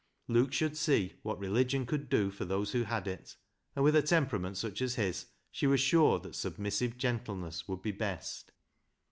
Luke should see what religion could do for those who had it, and with a temperament such as his she was sure that submissive gentleness would be best.